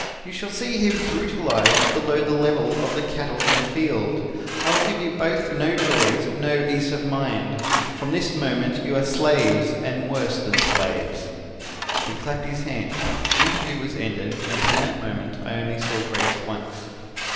You shall see him brutalized below the level of the cattle in the field. I will give you both no joys, no ease of mind. From this moment you are slaves, and worse than slaves.' "He clapped his hands. The interview was ended and from that moment I only saw Grace once."